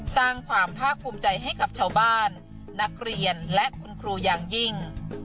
สร้างความภาคภูมิใจให้กับชาวบ้านนักเรียนและคุณครูอย่างยิ่ง